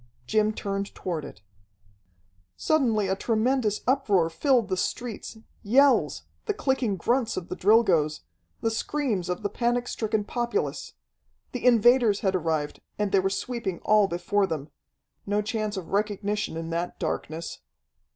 Jim turned toward it. Suddenly a tremendous uproar filled the streets, yells, the clicking grunts of the Drilgoes, the screams of the panic stricken populace. The invaders had arrived, and they were sweeping all before them. No chance of recognition in that darkness.